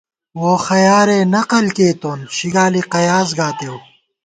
ووخیارےنقل کېئیتوں ، شِگالی قیاس گاتېؤ